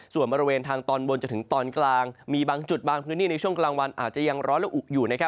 ส่วนบริเวณทางตอนบนจนถึงตอนกลางมีบางจุดบางพื้นที่ในช่วงกลางวันอาจจะยังร้อนและอุอยู่